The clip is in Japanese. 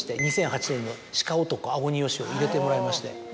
２００８年の『鹿男あをによし』を入れてもらいまして。